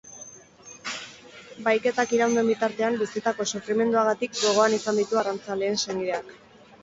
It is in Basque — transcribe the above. Bahiketak iraun duen bitartean bizitako sufrimenduagatik gogoan izan ditu arrantzaleen senideak.